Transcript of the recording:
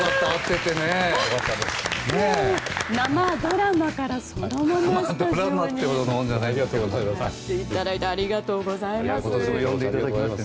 生ドラマからそのままスタジオに来てくださりありがとうございます。